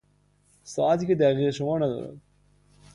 ساعتی که دقیقه شمار ندارد